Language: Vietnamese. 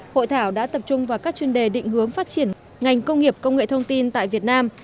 hội thảo đã tập trung vào các chuyên đề định hướng phát triển ngành công nghiệp công nghệ thông tin tại việt nam